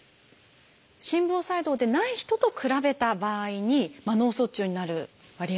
心房細動でない人と比べた場合に脳卒中になる割合